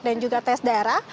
dan juga tes darah